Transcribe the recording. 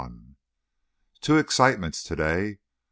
Two excitements to day.